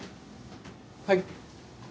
はい。